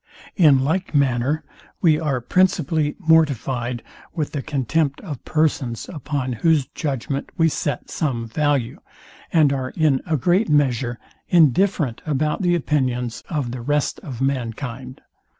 In like measure we are principally mortifyed with the contempt of persons, upon whose judgment we set some value, and are, in a peat measure, indifferent about the opinions of the rest of mankind.